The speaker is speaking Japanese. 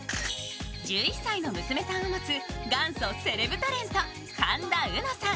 １１歳の娘さんを持つ、元祖セレブタレント、神田うのさん